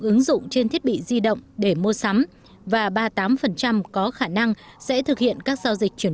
ứng dụng trên thiết bị di động để mua sắm và ba mươi tám có khả năng sẽ thực hiện các giao dịch chuyển